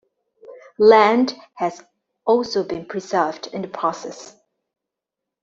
Land has also been preserved in the process.